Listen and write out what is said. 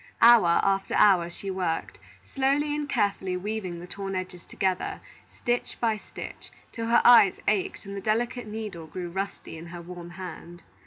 Hour after hour she worked, slowly and carefully weaving the torn edges together, stitch by stitch, till her eyes ached and the delicate needle grew rusty in her warm hand.